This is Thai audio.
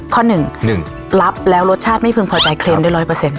ข้อหนึ่งรับแล้วรสชาติไม่พึงพอใจเคลมได้๑๐๐